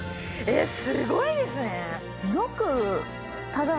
えーっすごいですね。